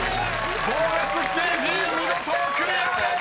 ［ボーナスステージ見事クリアです！］